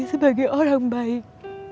pergi sebagai orang baik